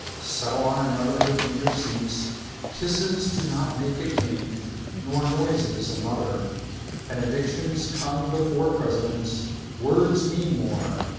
Settle on another in your seats. Kisses do not make a king. Nor noises a mother. Benedictions come before presidents. Words mean more.